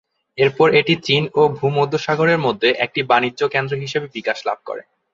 এরপর এটি চীন ও ভূমধ্যসাগরের মধ্যে একটি বাণিজ্য কেন্দ্র হিসেবে বিকাশ লাভ করে।